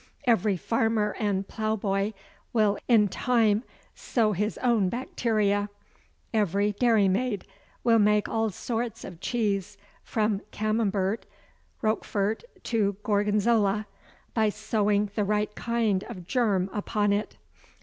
Every farmer and ploughboy will in time sow his own bacteria; every dairymaid will make all sorts of cheese, from Camembert, Rochfort, to Gorgonzola, by sowing the right kind of germ upon it.